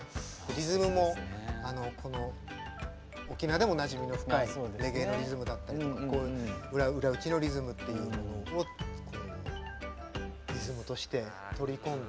リズムも沖縄でおなじみの深いレゲエのリズムだったりとかこういう裏打ちのリズムっていうのをリズムとして取り込んで。